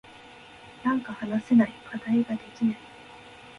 なんか話せない。課題ができない。